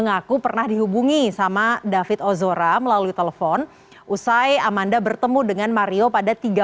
mengaku pernah dihubungi sama david ozora melalui telepon usai amanda bertemu dengan mario pada tiga